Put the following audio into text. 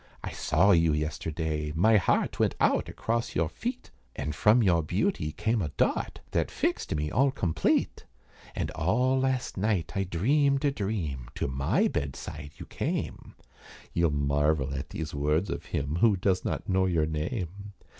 "I saw you yesterday. My 'eart Went out across your feet, And from your beauty came a dart That fixed me all complete; And all last night I dreamed a dream, To my bedside you came You'll marvel at these words of him Who does not know your name.